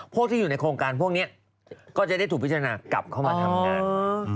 พวกที่อยู่ในโครงการพวกนี้ก็จะได้ถูกพิจารณากลับเข้ามาทำงาน